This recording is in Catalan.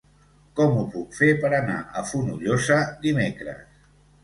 Com ho puc fer per anar a Fonollosa dimecres?